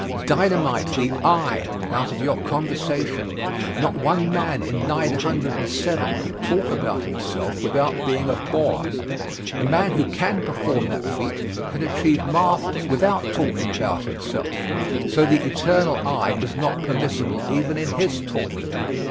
Dynamite the "I" out of your conversation. Not one man in nine hundred and seven can talk about himself without being a bore. The man who can perform that feat can achieve marvels without talking about himself, so the eternal "I" is not permissible even in his talk.